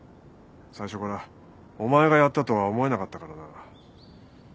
最初からお前がやったとは思えなかったからな。